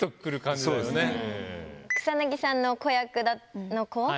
草薙さんの子役の子。